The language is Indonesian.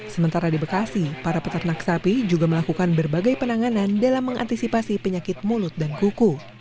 sementara di bekasi para peternak sapi juga melakukan berbagai penanganan dalam mengantisipasi penyakit mulut dan kuku